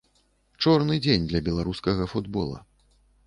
Чорны дзень для беларускага футбола.